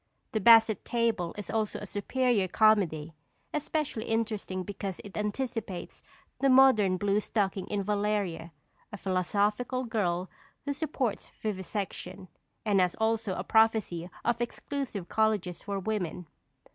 The Basset Table is also a superior comedy, especially interesting because it anticipates the modern blue stocking in Valeria, a philosophical girl who supports vivisection, and has also a prophecy of exclusive colleges for women.